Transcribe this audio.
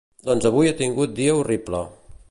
Doncs avui he tingut dia horrible.